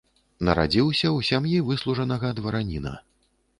Нарадзіўся ў сям'і выслужанага двараніна.